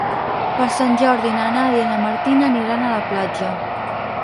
Per Sant Jordi na Nàdia i na Martina aniran a la platja.